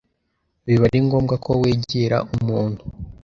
biba ari ngombwa ko wegera umuntu